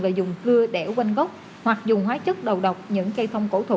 về dùng cưa đẻo quanh gốc hoặc dùng hóa chất đầu độc những cây thông cổ thụ